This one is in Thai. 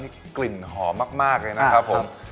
นี่กลิ่นหอมมากเลยนะครับผม